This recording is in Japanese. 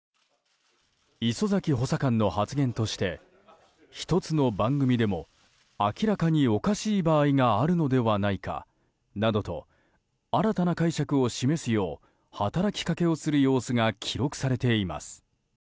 礒崎補佐官の発言として１つの番組でも明らかにおかしい場合があるのではないかなどと新たな解釈を示すよう働きかけをする様子が記録されています。